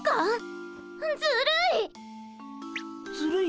ずるい！